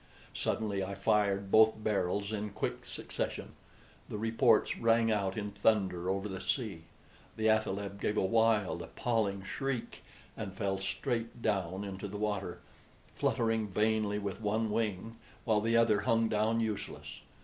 Suddenly I fired both barrels in quick succession. The reports rang out in thunder over the sea. The athaleb gave a wild, appalling shriek, and fell straight down into the water, fluttering vainly with one wing, while the other hung down useless.